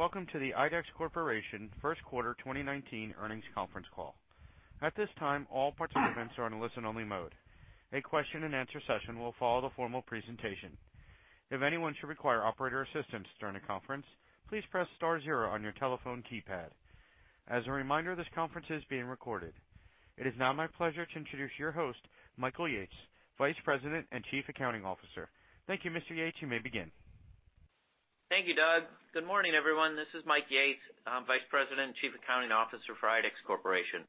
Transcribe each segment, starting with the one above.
Welcome to the IDEX Corporation first quarter 2019 earnings conference call. At this time, all participants are in listen only mode. A question and answer session will follow the formal presentation. If anyone should require operator assistance during the conference, please press star zero on your telephone keypad. As a reminder, this conference is being recorded. It is now my pleasure to introduce your host, Michael Yates, Vice President and Chief Accounting Officer. Thank you, Mr. Yates. You may begin. Thank you, Doug. Good morning, everyone. This is Mike Yates, Vice President and Chief Accounting Officer for IDEX Corporation.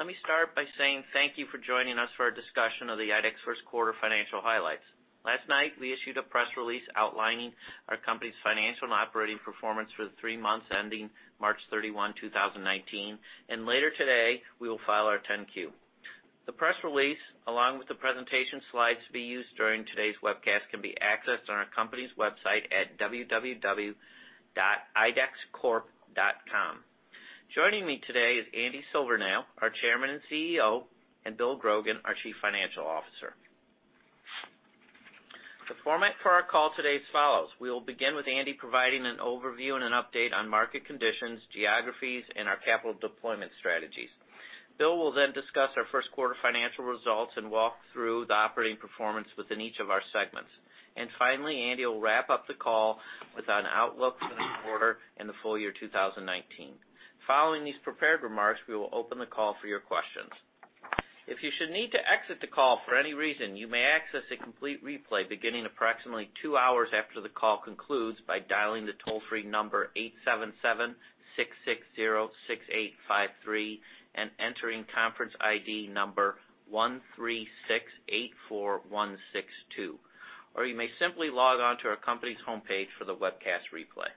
Let me start by saying thank you for joining us for our discussion of the IDEX first quarter financial highlights. Last night, we issued a press release outlining our company's financial and operating performance for the three months ending March 31, 2019, and later today, we will file our 10-Q. The press release, along with the presentation slides to be used during today's webcast, can be accessed on our company's website at www.idexcorp.com. Joining me today is Andy Silvernail, our Chairman and CEO, and William Grogan, our Chief Financial Officer. The format for our call today as follows: We will begin with Andy providing an overview and an update on market conditions, geographies, and our capital deployment strategies. Bill will then discuss our first quarter financial results and walk through the operating performance within each of our segments. Finally, Andy will wrap up the call with an outlook for the quarter and the full year 2019. Following these prepared remarks, we will open the call for your questions. If you should need to exit the call for any reason, you may access a complete replay beginning approximately two hours after the call concludes by dialing the toll-free number 877-660-6853 and entering conference ID number 13684162, or you may simply log on to our company's homepage for the webcast replay.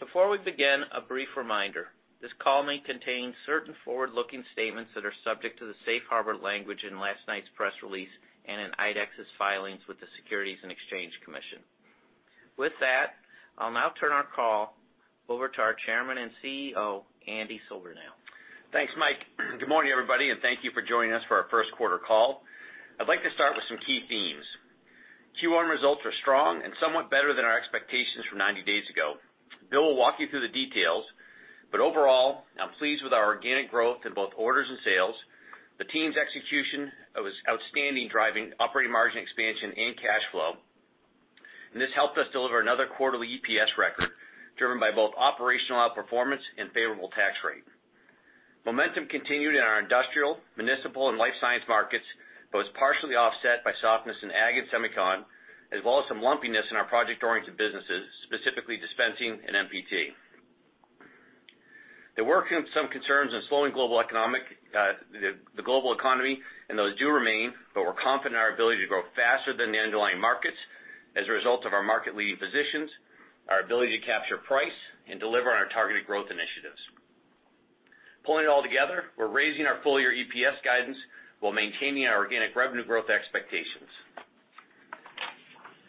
Before we begin, a brief reminder, this call may contain certain forward-looking statements that are subject to the safe harbor language in last night's press release and in IDEX's filings with the Securities and Exchange Commission. With that, I'll now turn our call over to our chairman and CEO, Andy Silvernail. Thanks, Mike. Good morning, everybody, thank you for joining us for our first quarter call. I'd like to start with some key themes. Q1 results are strong and somewhat better than our expectations from 90 days ago. Bill will walk you through the details, but overall, I'm pleased with our organic growth in both orders and sales. The team's execution was outstanding, driving operating margin expansion and cash flow. This helped us deliver another quarterly EPS record, driven by both operational outperformance and favorable tax rate. Momentum continued in our industrial, municipal and life science markets, was partially offset by softness in ag and semicon, as well as some lumpiness in our project-oriented businesses, specifically dispensing and MPT. There were some concerns in the global economy. Those do remain, but we're confident in our ability to grow faster than the underlying markets as a result of our market leading positions, our ability to capture price, and deliver on our targeted growth initiatives. Pulling it all together, we're raising our full year EPS guidance while maintaining our organic revenue growth expectations.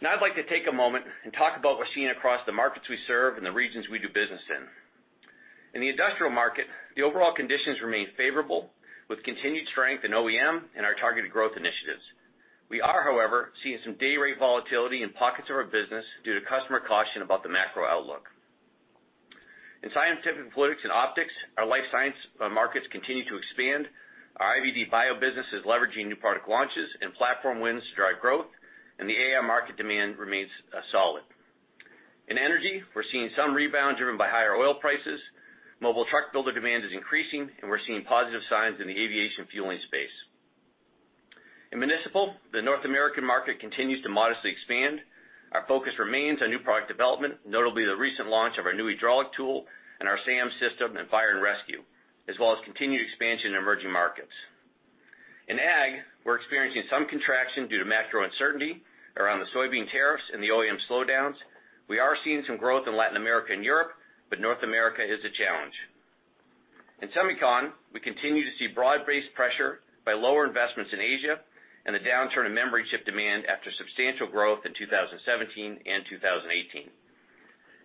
I'd like to take a moment and talk about what we're seeing across the markets we serve and the regions we do business in. In the industrial market, the overall conditions remain favorable, with continued strength in OEM and our targeted growth initiatives. We are, however, seeing some day rate volatility in pockets of our business due to customer caution about the macro outlook. In scientific fluids and optics, our life science markets continue to expand. Our IVD bio business is leveraging new product launches and platform wins to drive growth. The AI market demand remains solid. In energy, we're seeing some rebound driven by higher oil prices. Mobile truck builder demand is increasing. We're seeing positive signs in the aviation fueling space. In municipal, the North American market continues to modestly expand. Our focus remains on new product development, notably the recent launch of our new hydraulic tool and our SAM system in fire and rescue, as well as continued expansion in emerging markets. In ag, we're experiencing some contraction due to macro uncertainty around the soybean tariffs and the OEM slowdowns. We are seeing some growth in Latin America and Europe, North America is a challenge. In semicon, we continue to see broad-based pressure by lower investments in Asia and the downturn in memory chip demand after substantial growth in 2017 and 2018.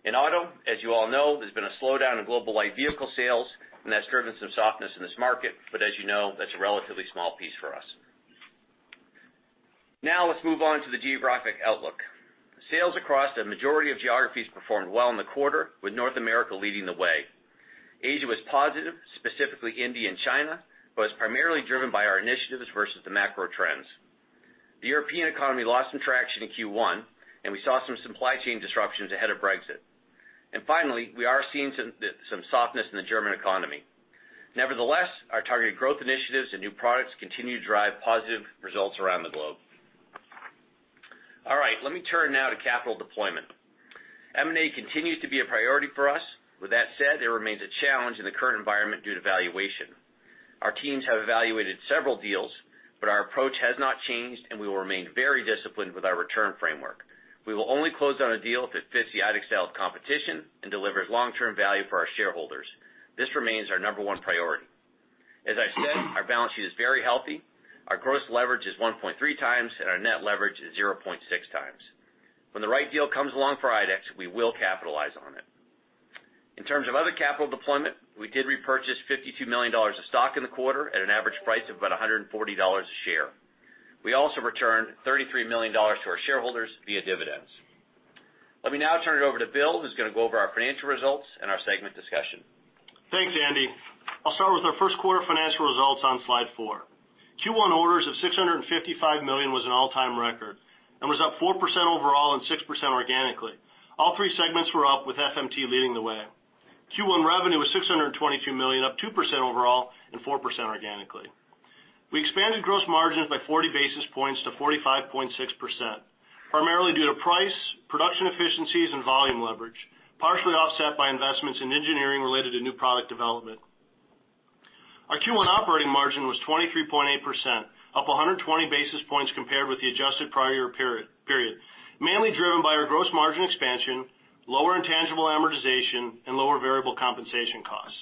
In auto, as you all know, there's been a slowdown in global light vehicle sales. That's driven some softness in this market, as you know, that's a relatively small piece for us. Let's move on to the geographic outlook. Sales across the majority of geographies performed well in the quarter, with North America leading the way. Asia was positive, specifically India and China, was primarily driven by our initiatives versus the macro trends. The European economy lost some traction in Q1. We saw some supply chain disruptions ahead of Brexit. Finally, we are seeing some softness in the German economy. Nevertheless, our targeted growth initiatives and new products continue to drive positive results around the globe. All right. Let me turn now to capital deployment. M&A continues to be a priority for us. With that said, there remains a challenge in the current environment due to valuation. Our teams have evaluated several deals, but our approach has not changed, and we will remain very disciplined with our return framework. We will only close on a deal if it fits the IDEX style of competition and delivers long-term value for our shareholders. This remains our number one priority. As I said, our balance sheet is very healthy. Our gross leverage is 1.3 times, and our net leverage is 0.6 times. When the right deal comes along for IDEX, we will capitalize on it. In terms of other capital deployment, we did repurchase $52 million of stock in the quarter at an average price of about $140 a share. We also returned $33 million to our shareholders via dividends. Let me now turn it over to Bill, who's going to go over our financial results and our segment discussion. Thanks, Andy. I'll start with our first quarter financial results on slide four. Q1 orders of $655 million was an all-time record and was up 4% overall and 6% organically. All three segments were up, with FMT leading the way. Q1 revenue was $622 million, up 2% overall and 4% organically. We expanded gross margins by 40 basis points to 45.6%, primarily due to price, production efficiencies, and volume leverage, partially offset by investments in engineering related to new product development. Our Q1 operating margin was 23.8%, up 120 basis points compared with the adjusted prior year period. Mainly driven by our gross margin expansion, lower intangible amortization, and lower variable compensation costs.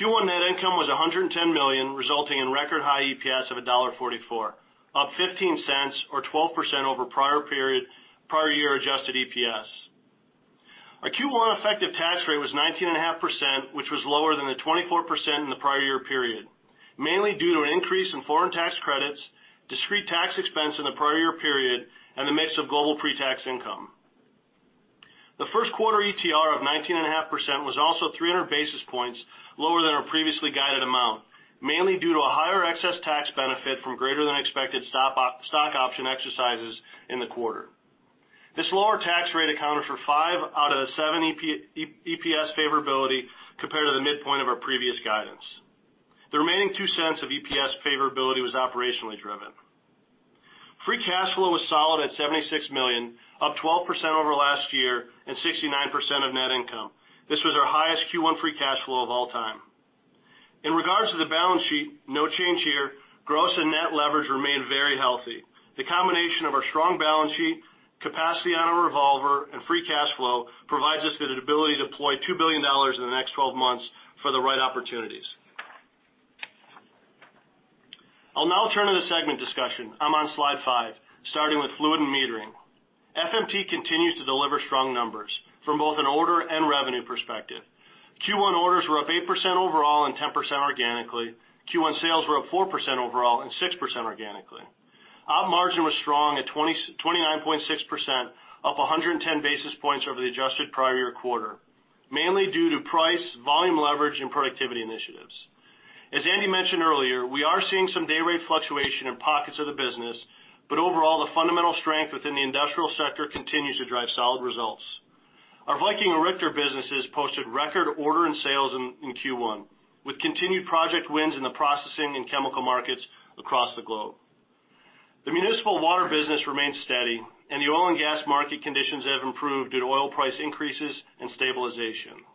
Q1 net income was $110 million, resulting in record high EPS of $1.44, up $0.15 or 12% over prior year adjusted EPS. Our Q1 effective tax rate was 19.5%, which was lower than the 24% in the prior year period, mainly due to an increase in foreign tax credits, discrete tax expense in the prior year period, and the mix of global pretax income. The first quarter ETR of 19.5% was also 300 basis points lower than our previously guided amount, mainly due to a higher excess tax benefit from greater than expected stock option exercises in the quarter. This lower tax rate accounted for five out of the seven EPS favorability compared to the midpoint of our previous guidance. The remaining $0.02 of EPS favorability was operationally driven. Free cash flow was solid at $76 million, up 12% over last year and 69% of net income. This was our highest Q1 free cash flow of all time. In regards to the balance sheet, no change here. Gross and net leverage remain very healthy. The combination of our strong balance sheet, capacity on our revolver, and free cash flow provides us with the ability to deploy $2 billion in the next 12 months for the right opportunities. I'll now turn to the segment discussion. I'm on slide 5, starting with Fluid and Metering. FMT continues to deliver strong numbers from both an order and revenue perspective. Q1 orders were up 8% overall and 10% organically. Q1 sales were up 4% overall and 6% organically. Op margin was strong at 29.6%, up 110 basis points over the adjusted prior year quarter, mainly due to price, volume leverage, and productivity initiatives. As Andy mentioned earlier, we are seeing some day rate fluctuation in pockets of the business, but overall, the fundamental strength within the industrial sector continues to drive solid results. Our Viking and Richter businesses posted record order and sales in Q1, with continued project wins in the processing and chemical markets across the globe. The municipal water business remains steady, and the oil and gas market conditions have improved due to oil price increases and stabilization.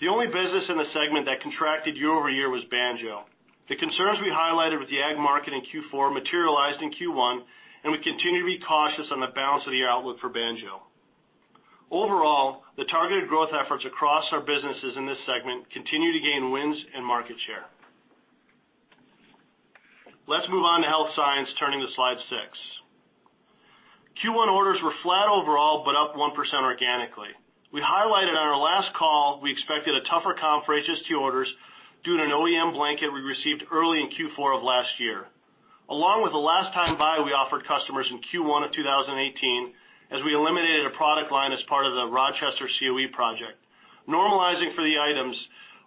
The only business in the segment that contracted year-over-year was Banjo. The concerns we highlighted with the ag market in Q4 materialized in Q1, and we continue to be cautious on the balance of the outlook for Banjo. Overall, the targeted growth efforts across our businesses in this segment continue to gain wins and market share. Let's move on to Health & Science, turning to slide 6. Q1 orders were flat overall, but up 1% organically. We highlighted on our last call we expected a tougher comp for HST orders due to an OEM blanket we received early in Q4 of last year. Along with the last time buy we offered customers in Q1 of 2018, as we eliminated a product line as part of the Rochester COE project. Normalizing for the items,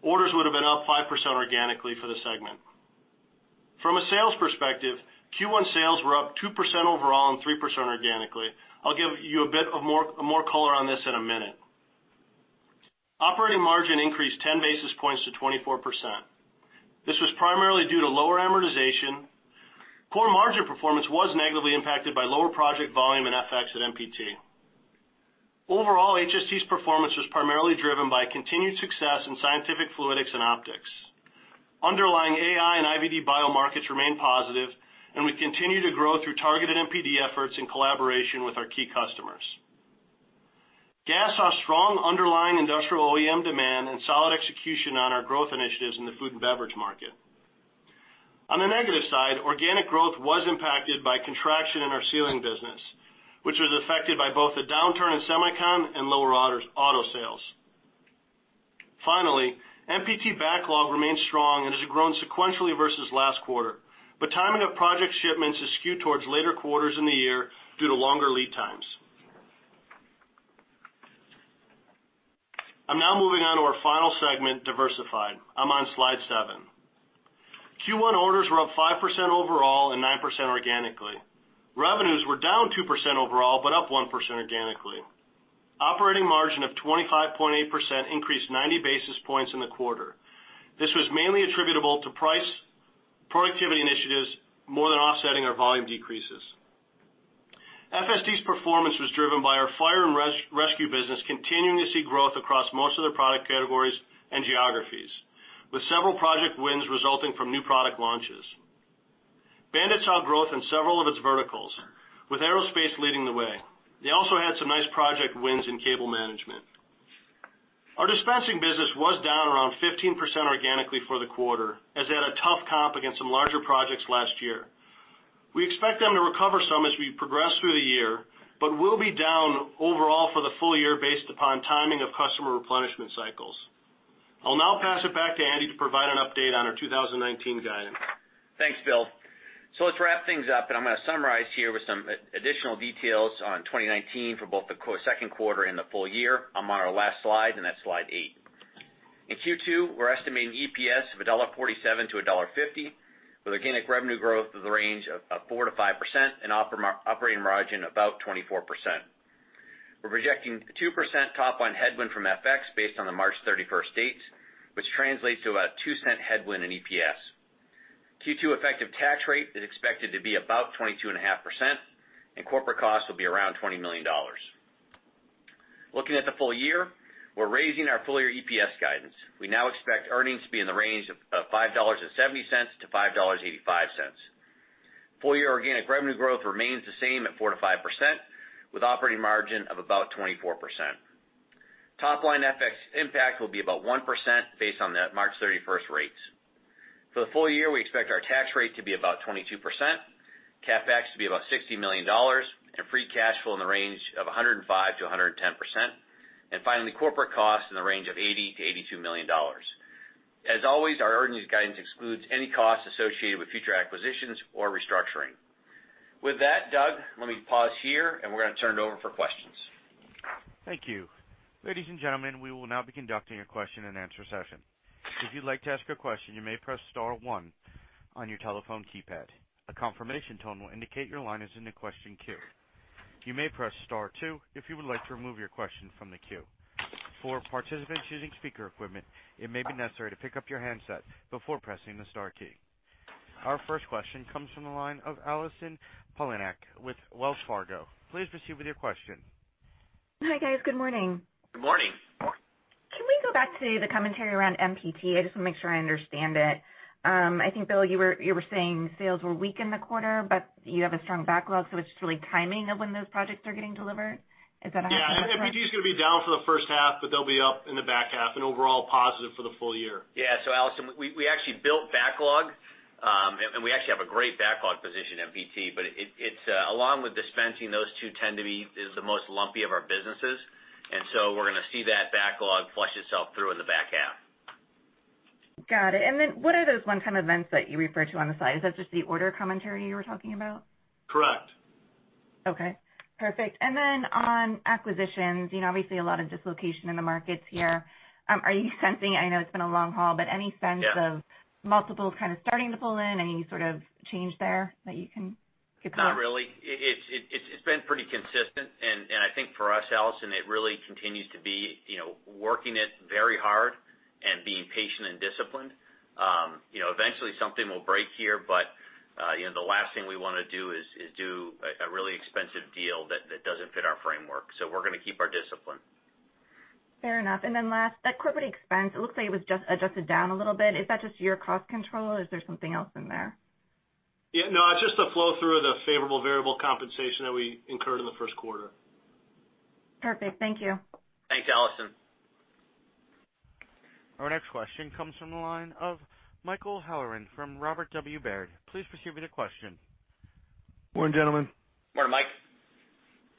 orders would have been up 5% organically for the segment. From a sales perspective, Q1 sales were up 2% overall and 3% organically. I'll give you a bit more color on this in a minute. Operating margin increased 10 basis points to 24%. This was primarily due to lower amortization. Core margin performance was negatively impacted by lower project volume and FX at MPT. Overall, HST's performance was primarily driven by continued success in scientific fluidics and optics. Underlying Analytical Instruments and IVD bio markets remain positive, and we continue to grow through targeted NPD efforts in collaboration with our key customers. Gast saw strong underlying industrial OEM demand and solid execution on our growth initiatives in the food and beverage market. On the negative side, organic growth was impacted by contraction in our Sealing business, which was affected by both the downturn in semiconductor and lower auto sales. Finally, MPT backlog remains strong and has grown sequentially versus last quarter, but timing of project shipments is skewed towards later quarters in the year due to longer lead times. I'm now moving on to our final segment, Diversified. I'm on slide 7. Q1 orders were up 5% overall and 9% organically. Revenues were down 2% overall, but up 1% organically. Operating margin of 25.8% increased 90 basis points in the quarter. This was mainly attributable to price productivity initiatives, more than offsetting our volume decreases. FSD's performance was driven by our fire and rescue business continuing to see growth across most of their product categories and geographies, with several project wins resulting from new product launches. BAND-IT saw growth in several of its verticals, with aerospace leading the way. They also had some nice project wins in cable management. Our dispensing business was down around 15% organically for the quarter, as they had a tough comp against some larger projects last year. We expect them to recover some as we progress through the year, but we'll be down overall for the full year based upon timing of customer replenishment cycles. I'll now pass it back to Andy to provide an update on our 2019 guidance. Thanks, Bill. Let's wrap things up, and I'm going to summarize here with some additional details on 2019 for both the second quarter and the full year. I'm on our last slide, and that's slide eight. In Q2, we're estimating EPS of $1.47 to $1.50 with organic revenue growth to the range of 4%-5% and operating margin about 24%. We're projecting 2% top-line headwind from FX based on the March 31st dates, which translates to about $0.02 headwind in EPS. Q2 effective tax rate is expected to be about 22.5%, and corporate costs will be around $20 million. Looking at the full year, we're raising our full-year EPS guidance. We now expect earnings to be in the range of $5.70 to $5.85. Full-year organic revenue growth remains the same at 4%-5%, with operating margin of about 24%. Top-line FX impact will be about 1% based on the March 31st rates. For the full year, we expect our tax rate to be about 22%, CapEx to be about $60 million, and free cash flow in the range of 105%-110%. Finally, corporate costs in the range of $80 million-$82 million. As always, our earnings guidance excludes any costs associated with future acquisitions or restructuring. With that, Doug, let me pause here, and we're going to turn it over for questions. Thank you. Ladies and gentlemen, we will now be conducting a question and answer session. If you'd like to ask a question, you may press star one on your telephone keypad. A confirmation tone will indicate your line is in the question queue. You may press star two if you would like to remove your question from the queue. For participants using speaker equipment, it may be necessary to pick up your handset before pressing the star key. Our first question comes from the line of Allison Poliniak with Wells Fargo. Please proceed with your question. Hi, guys. Good morning. Good morning. Can we go back to the commentary around MPT? I just want to make sure I understand it. I think, Bill, you were saying sales were weak in the quarter, you have a strong backlog, it's just really timing of when those projects are getting delivered. Is that? Yeah, MPT is going to be down for the first half, they'll be up in the back half and overall positive for the full year. Yeah. Allison Poliniak, we actually built backlog, and we actually have a great backlog position at MPT, but along with dispensing, those two tend to be the most lumpy of our businesses, and so we're going to see that backlog flush itself through in the back half. Got it. What are those one-time events that you referred to on the side? Is that just the order commentary you were talking about? Correct. Okay, perfect. On acquisitions, obviously a lot of dislocation in the markets here. Are you sensing, I know it's been a long haul, but any sense- Yeah of multiples kind of starting to pull in? Any sort of change there that you can comment? Not really. It's been pretty consistent. I think for us, Allison, it really continues to be working it very hard and being patient and disciplined. Eventually something will break here, the last thing we want to do is do a really expensive deal that doesn't fit our framework. We're going to keep our discipline. Fair enough. Last, that corporate expense, it looks like it was adjusted down a little bit. Is that just your cost control? Is there something else in there? Yeah. No, it's just a flow-through of the favorable variable compensation that we incurred in the first quarter. Perfect. Thank you. Thanks, Allison. Our next question comes from the line of Michael Halloran from Robert W. Baird. Please proceed with your question. Morning, gentlemen. Morning, Mike.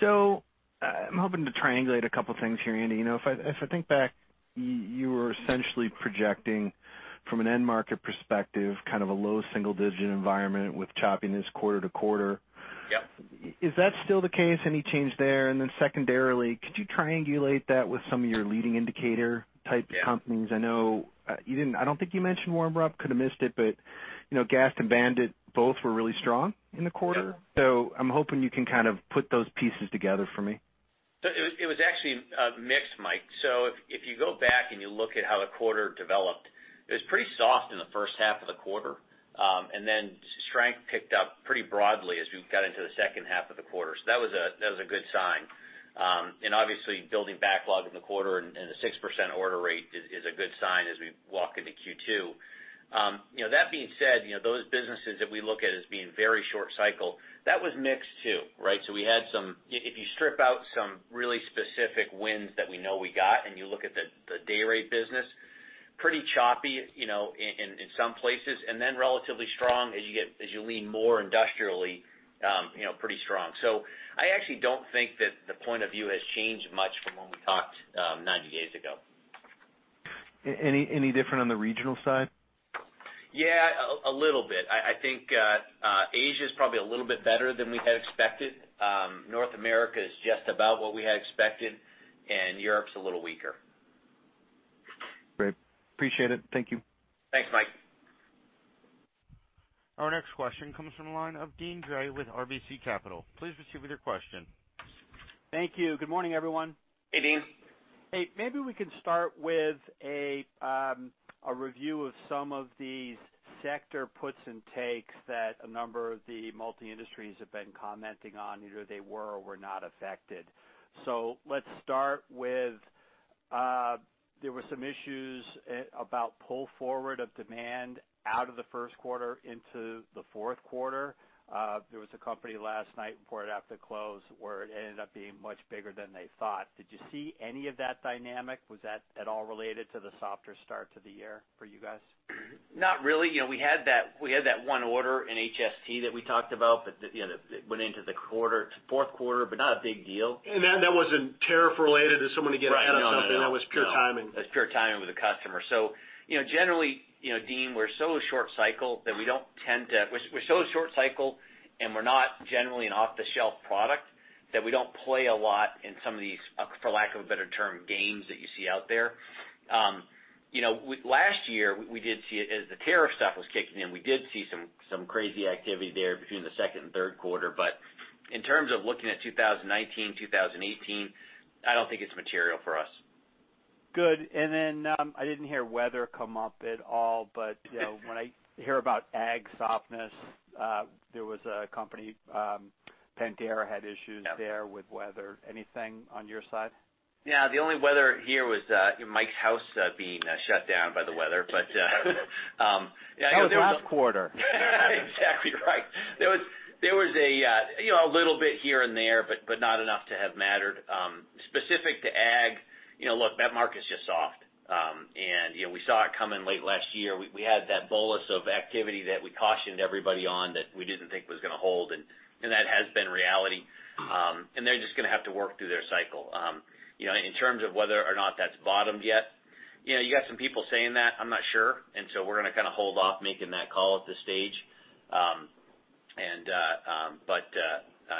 I'm hoping to triangulate a couple things here, Andy. If I think back, you were essentially projecting from an end market perspective, kind of a low single-digit environment with choppiness quarter-to-quarter. Yep. Is that still the case? Any change there? Secondarily, could you triangulate that with some of your leading indicator type companies? Yeah. I don't think you mentioned Warren Rupp. Could have missed it, but Gast and Band-It both were really strong in the quarter. Yeah. I'm hoping you can kind of put those pieces together for me. It was actually mixed, Mike. If you go back and you look at how the quarter developed, it was pretty soft in the first half of the quarter, strength kicked up pretty broadly as we got into the second half of the quarter. That was a good sign. Obviously, building backlog in the quarter and the 6% order rate is a good sign as we walk into Q2. That being said, those businesses that we look at as being very short cycle, that was mixed too, right? If you strip out some really specific wins that we know we got and you look at the day rate business, pretty choppy in some places, relatively strong as you lean more industrially, pretty strong. I actually don't think that the point of view has changed much from when we talked 90 days ago. Any different on the regional side? Yeah, a little bit. I think Asia is probably a little bit better than we had expected. North America is just about what we had expected, Europe's a little weaker. Great. Appreciate it. Thank you. Thanks, Mike. Our next question comes from the line of Deane Dray with RBC Capital. Please proceed with your question. Thank you. Good morning, everyone. Hey, Deane. Hey, maybe we can start with a review of some of these sector puts and takes that a number of the multi-industries have been commenting on, either they were or were not affected. Let's start with, there were some issues about pull forward of demand out of the first quarter into the fourth quarter. There was a company last night, reported after close, where it ended up being much bigger than they thought. Did you see any of that dynamic? Was that at all related to the softer start to the year for you guys? Not really. We had that one order in HST that we talked about, but it went into the fourth quarter, but not a big deal. That wasn't tariff related as someone to get ahead of something. Right. No. That was pure timing. That's pure timing with a customer. Generally, Deane, we're so short cycle, and we're not generally an off-the-shelf product, that we don't play a lot in some of these, for lack of a better term, games that you see out there. Last year, as the tariff stuff was kicking in, we did see some crazy activity there between the second and third quarter. In terms of looking at 2019, 2018, I don't think it's material for us. Good. Then, I didn't hear weather come up at all, when I hear about ag softness, there was a company, Pentair, had issues there with weather. Anything on your side? Yeah. The only weather here was Mike's house being shut down by the weather. That was last quarter. Exactly right. There was a little bit here and there, but not enough to have mattered. Specific to ag, look, that market's just soft. We saw it coming late last year. We had that bolus of activity that we cautioned everybody on that we didn't think was going to hold, and that has been reality. They're just going to have to work through their cycle. In terms of whether or not that's bottomed yet, you got some people saying that. I'm not sure. So we're going to kind of hold off making that call at this stage.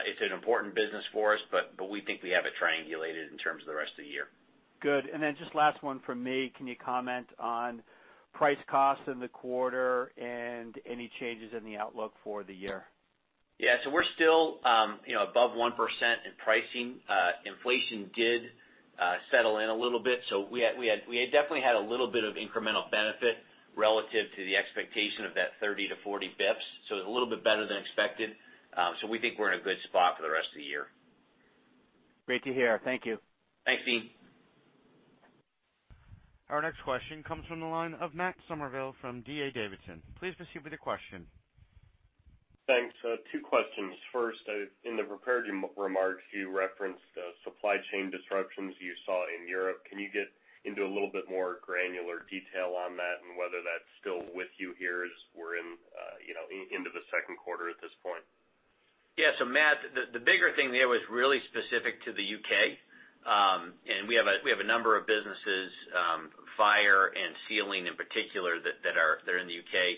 It's an important business for us, but we think we have it triangulated in terms of the rest of the year. Good. Just last one from me. Can you comment on price cost in the quarter and any changes in the outlook for the year? Yeah. We're still above 1% in pricing. Inflation did settle in a little bit. We had definitely had a little bit of incremental benefit relative to the expectation of that 30 to 40 basis points. It was a little bit better than expected. We think we're in a good spot for the rest of the year. Great to hear. Thank you. Thanks, Deane. Our next question comes from the line of Matt Summerville from D.A. Davidson. Please proceed with your question. Thanks. Two questions. First, in the prepared remarks, you referenced the supply chain disruptions you saw in Europe. Can you get into a little bit more granular detail on that and whether that's still with you here as we're into the second quarter at this point? Yeah. Matt, the bigger thing there was really specific to the U.K. We have a number of businesses, Fire and Sealing in particular, that are in the U.K.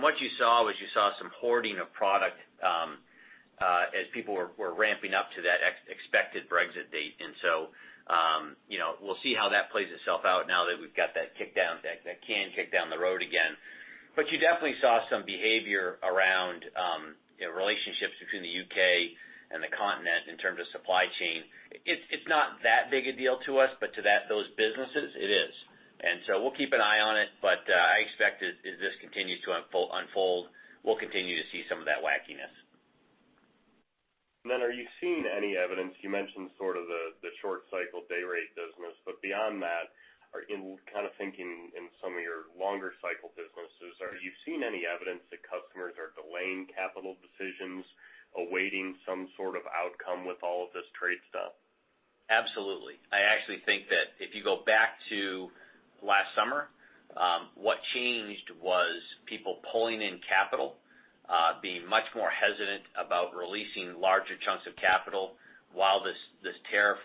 What you saw was you saw some hoarding of product as people were ramping up to that expected Brexit date. We'll see how that plays itself out now that we've got that can kicked down the road again. You definitely saw some behavior around relationships between the U.K. and the continent in terms of supply chain. It's not that big a deal to us, but to those businesses, it is. We'll keep an eye on it, but I expect as this continues to unfold, we'll continue to see some of that wackiness. Are you seeing any evidence, you mentioned sort of the short cycle day rate business, but beyond that, in kind of thinking in some of your longer cycle businesses, are you seeing any evidence that customers are delaying capital decisions, awaiting some sort of outcome with all of this trade stuff? Absolutely. I actually think that if you go back to last summer, what changed was people pulling in capital, being much more hesitant about releasing larger chunks of capital while this tariff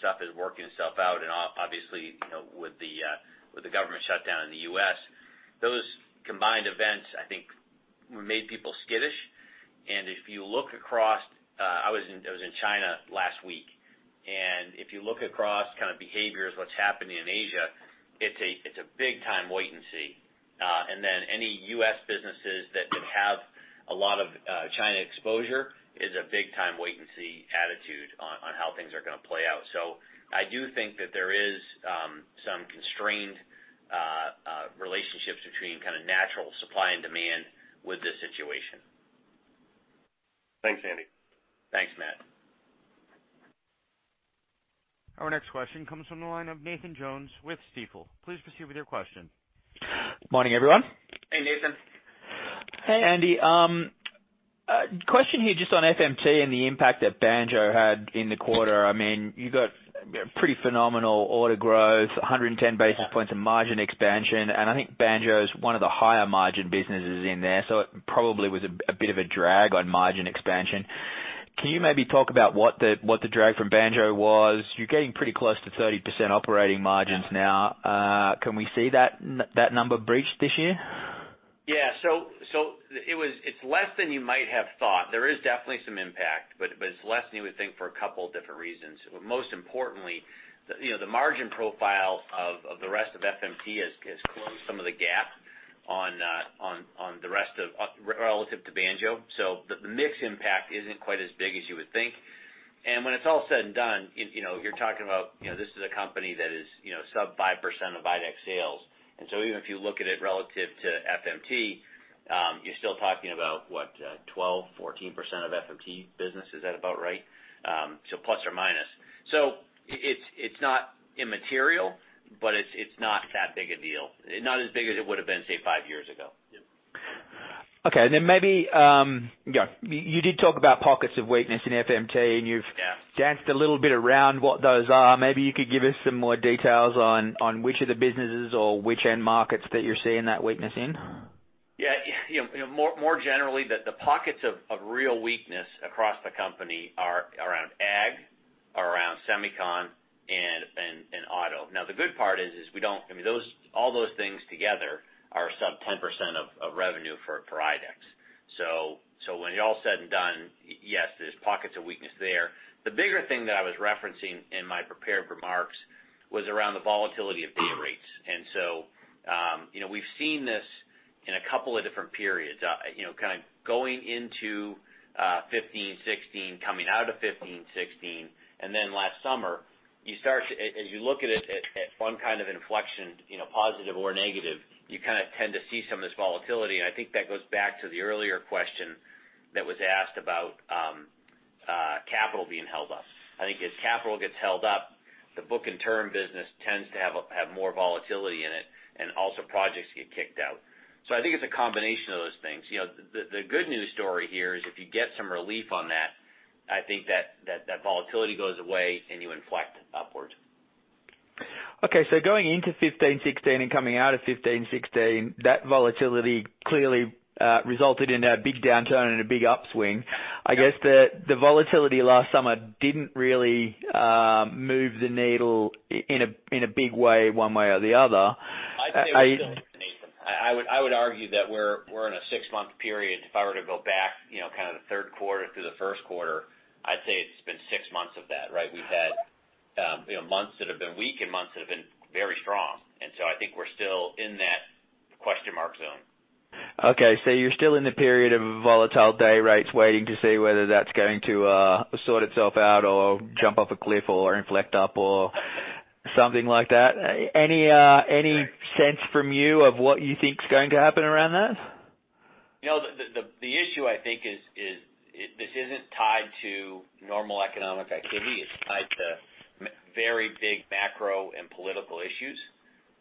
stuff is working itself out and obviously, with the government shutdown in the U.S. Those combined events, I think, made people skittish. If you look across I was in China last week, and if you look across kind of behaviors, what's happening in Asia, it's a big time wait-and-see. Any U.S. businesses that have a lot of China exposure is a big time wait-and-see attitude on how things are going to play out. I do think that there is some constrained relationships between kind of natural supply and demand with this situation. Thanks, Andy. Thanks, Matt. Our next question comes from the line of Nathan Jones with Stifel. Please proceed with your question. Morning, everyone. Hey, Nathan. Hey, Andy. Question here just on FMT and the impact that Banjo had in the quarter. You got pretty phenomenal order growth, 110 basis points of margin expansion, and I think Banjo is one of the higher margin businesses in there. It probably was a bit of a drag on margin expansion. Can you maybe talk about what the drag from Banjo was? You're getting pretty close to 30% operating margins now. Can we see that number breached this year? Yeah. It's less than you might have thought. There is definitely some impact, but it's less than you would think for a couple different reasons. Most importantly, the margin profile of the rest of FMT has closed some of the gap relative to Banjo. The mix impact isn't quite as big as you would think. When it's all said and done, you're talking about this is a company that is sub 5% of IDEX sales. Even if you look at it relative to FMT, you're still talking about what, 12, 14% of FMT business. Is that about right? Plus or minus. It's not immaterial, but it's not that big a deal. Not as big as it would've been, say, five years ago. Yep. Okay. Then maybe, you did talk about pockets of weakness in FMT and you've- Yeah danced a little bit around what those are. Maybe you could give us some more details on which of the businesses or which end markets that you're seeing that weakness in. Yeah. More generally, the pockets of real weakness across the company are around ag, are around semiconductor, and auto. The good part is, all those things together are sub 10% of revenue for IDEX. When it's all said and done, yes, there's pockets of weakness there. The bigger thing that I was referencing in my prepared remarks was around the volatility of day rates. We've seen this in a couple of different periods. Kind of going into 2015, 2016, coming out of 2015, 2016, and then last summer. As you look at it at one kind of inflection, positive or negative, you kind of tend to see some of this volatility, and I think that goes back to the earlier question that was asked about capital being held up. I think as capital gets held up, the book and term business tends to have more volatility in it, and also projects get kicked out. I think it's a combination of those things. The good news story here is if you get some relief on that, I think that volatility goes away, and you inflect upwards. Okay. Going into 2015, 2016, and coming out of 2015, 2016, that volatility clearly resulted in a big downturn and a big upswing. Yep. I guess the volatility last summer didn't really move the needle in a big way, one way or the other. I'd say we're still in it, Nathan. I would argue that we're in a six-month period. If I were to go back kind of the third quarter through the first quarter, I'd say it's been six months of that, right? We've had months that have been weak and months that have been very strong. I think we're still in that question mark zone. Okay. You're still in the period of volatile day rates, waiting to see whether that's going to sort itself out or jump off a cliff or inflect up or something like that. Any sense from you of what you think is going to happen around that? The issue, I think is, this isn't tied to normal economic activity. It's tied to very big macro and political issues.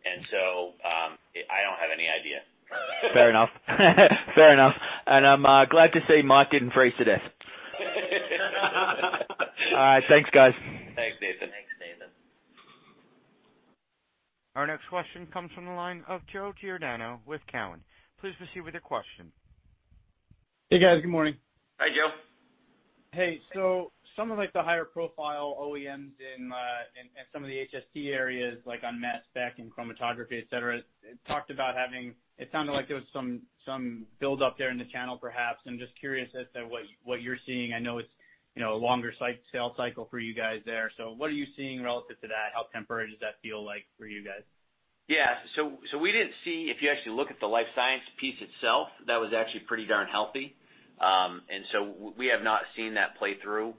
I don't have any idea. Fair enough. Fair enough. I'm glad to see Mike didn't freeze to death. All right. Thanks, guys. Thanks, Nathan. Thanks, Nathan. Our next question comes from the line of Joseph Giordano with Cowen. Please proceed with your question. Hey, guys. Good morning. Hi, Joe. Hey. Some of the higher profile OEMs in some of the HST areas like on mass spectrometry and chromatography, et cetera, it sounded like there was some build up there in the channel, perhaps. I'm just curious as to what you're seeing. I know it's a longer sales cycle for you guys there. What are you seeing relative to that? How temporary does that feel like for you guys? Yeah. We didn't see, if you actually look at the life science piece itself, that was actually pretty darn healthy. We have not seen that play through.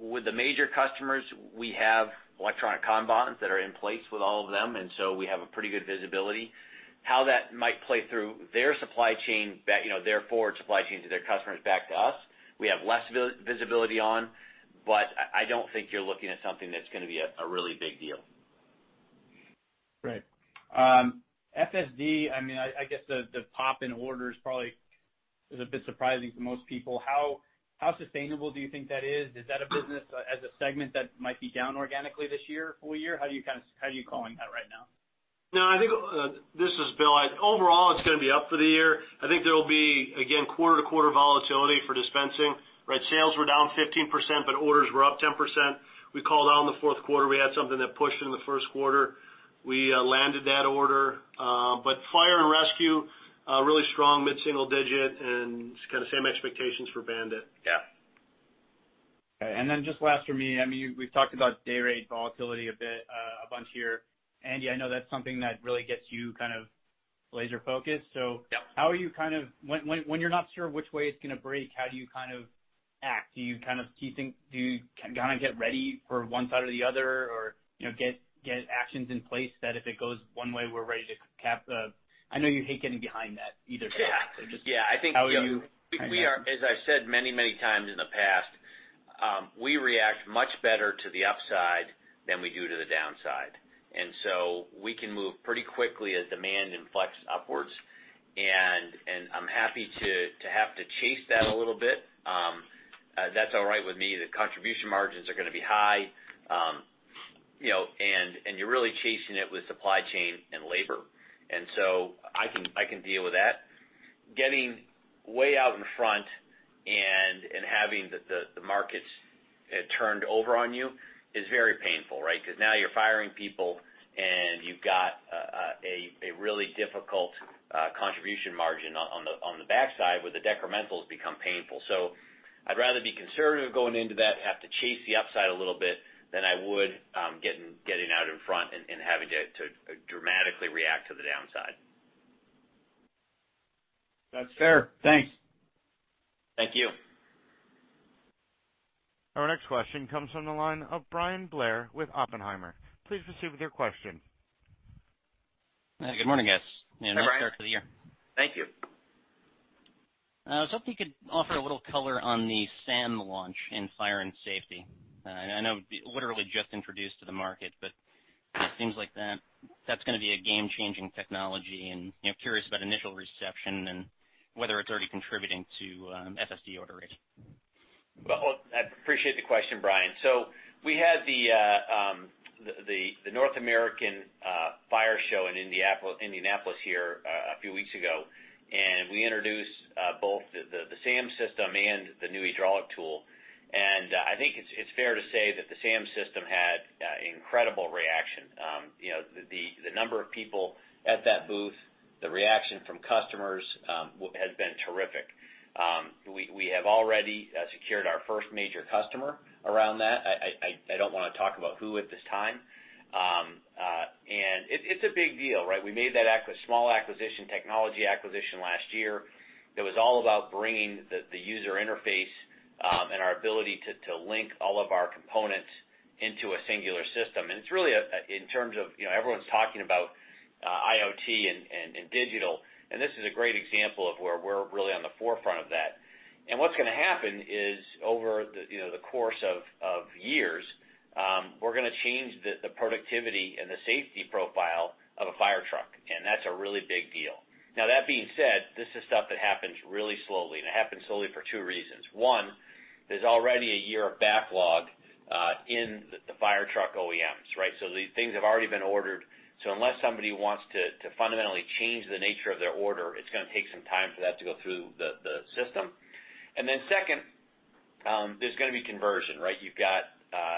With the major customers, we have electronic Kanban that are in place with all of them, we have a pretty good visibility. How that might play through their supply chain, their forward supply chain to their customers back to us, we have less visibility on, but I don't think you're looking at something that's going to be a really big deal. Right. FSD, I guess the pop in orders probably is a bit surprising to most people. How sustainable do you think that is? Is that a business as a segment that might be down organically this year, full year? How are you calling that right now? I think, this is Bill. Overall, it's going to be up for the year. I think there'll be, again, quarter to quarter volatility for dispensing, right? Sales were down 15%. Orders were up 10%. We called out in the fourth quarter, we had something that pushed into the first quarter. We landed that order. Fire and rescue, really strong, mid-single digit, and kind of same expectations for Band-It. Yeah. Okay. Just last for me, we've talked about day rate volatility a bit, a bunch here. Andy, I know that's something that really gets you kind of laser focused. Yep. When you're not sure which way it's going to break, how do you kind of act? Do you kind of get ready for one side or the other? Get actions in place that if it goes one way, we're ready to cap the I know you hate getting behind that, either side. Yeah. Just how are you- We are, as I've said many times in the past, we react much better to the upside than we do to the downside. So we can move pretty quickly as demand inflects upwards. I'm happy to have to chase that a little bit. That's all right with me. The contribution margins are going to be high. You're really chasing it with supply chain and labor. So I can deal with that. Getting way out in front and having the markets turned over on you is very painful, right? Because now you're firing people, and you've got a really difficult contribution margin on the backside where the decrementals become painful. I'd rather be conservative going into that, have to chase the upside a little bit than I would getting out in front and having to dramatically react to the downside. That's fair. Thanks. Thank you. Our next question comes from the line of Bryan Blair with Oppenheimer. Please proceed with your question. Good morning, guys. Hi, Bryan. Nice start to the year. Thank you. I was hoping you could offer a little color on the SAM launch in fire and safety. I know it was literally just introduced to the market, but it seems like that's going to be a game-changing technology, and curious about initial reception and whether it's already contributing to FSD order rates. I appreciate the question, Bryan. We had the North American Fire Show in Indianapolis here a few weeks ago, and we introduced both the SAM system and the new hydraulic tool. I think it's fair to say that the SAM system had incredible reaction. The number of people at that booth, the reaction from customers, has been terrific. We have already secured our first major customer around that. I don't want to talk about who at this time. It's a big deal, right? We made that small acquisition, technology acquisition last year, that was all about bringing the user interface and our ability to link all of our components into a singular system. It's really, in terms of everyone's talking about IoT and digital, and this is a great example of where we're really on the forefront of that. What's going to happen is, over the course of years, we're going to change the productivity and the safety profile of a fire truck, and that's a really big deal. Now that being said, this is stuff that happens really slowly, and it happens slowly for two reasons. One, there's already a year of backlog in the fire truck OEMs, right? These things have already been ordered. Unless somebody wants to fundamentally change the nature of their order, it's going to take some time for that to go through the system. Then second, there's going to be conversion, right? You've got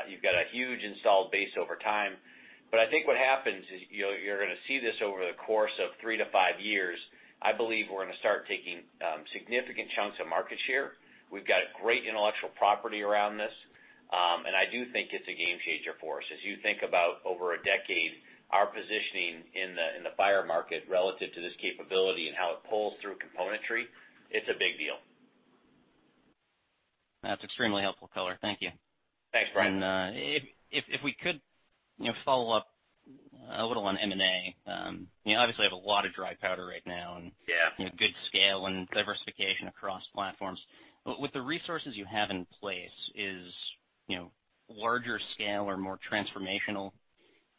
a huge installed base over time. I think what happens is, you're going to see this over the course of 3-5 years, I believe we're going to start taking significant chunks of market share. We've got great intellectual property around this. I do think it's a game changer for us. As you think about over a decade, our positioning in the fire market relative to this capability and how it pulls through componentry, it's a big deal. That's extremely helpful color. Thank you. Thanks, Bryan. If we could follow up a little on M&A. Obviously, you have a lot of dry powder right now. Yeah Good scale and diversification across platforms. With the resources you have in place is larger scale or more transformational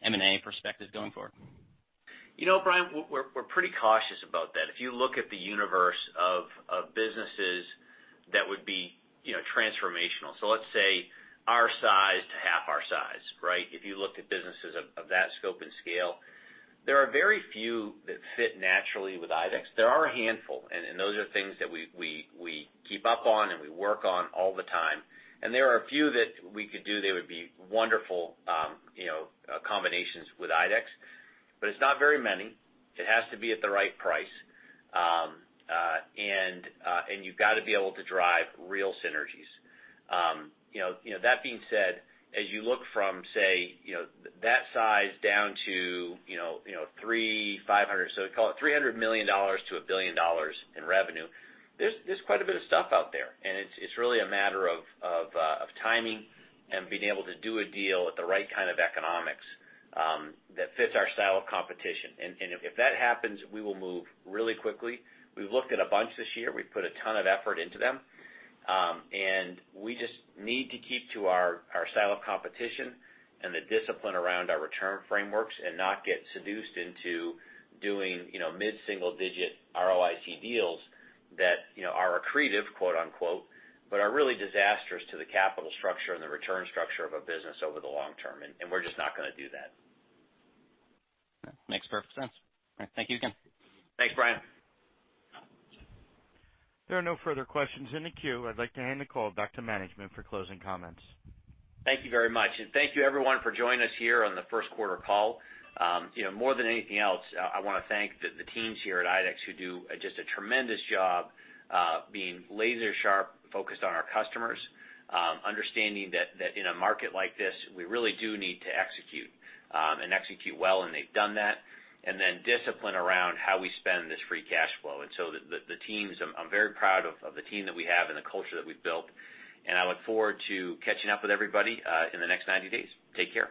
M&A perspective going forward? Bryan, we're pretty cautious about that. If you look at the universe of businesses that would be transformational, so let's say our size to half our size, right? If you looked at businesses of that scope and scale, there are very few that fit naturally with IDEX. There are a handful, and those are things that we keep up on and we work on all the time. There are a few that if we could do, they would be wonderful combinations with IDEX. It's not very many. It has to be at the right price. You've got to be able to drive real synergies. That being said, as you look from, say, that size down to 300, 500, so call it $300 million to $1 billion in revenue, there's quite a bit of stuff out there. It's really a matter of timing and being able to do a deal at the right kind of economics that fits our style of competition. If that happens, we will move really quickly. We've looked at a bunch this year. We've put a ton of effort into them. We just need to keep to our style of competition and the discipline around our return frameworks and not get seduced into doing mid-single digit ROIC deals that are accretive, quote unquote, but are really disastrous to the capital structure and the return structure of a business over the long term, and we're just not going to do that. Makes perfect sense. All right. Thank you again. Thanks, Bryan. There are no further questions in the queue. I'd like to hand the call back to management for closing comments. Thank you very much, thank you everyone for joining us here on the first quarter call. More than anything else, I want to thank the teams here at IDEX who do just a tremendous job being laser sharp focused on our customers, understanding that in a market like this, we really do need to execute and execute well, and they've done that. Discipline around how we spend this free cash flow. I'm very proud of the team that we have and the culture that we've built, and I look forward to catching up with everybody in the next 90 days. Take care.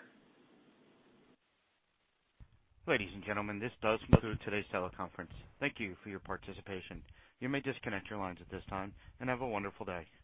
Ladies and gentlemen, this does conclude today's teleconference. Thank you for your participation. You may disconnect your lines at this time, have a wonderful day.